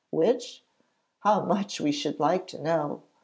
Which? How much we should like to know!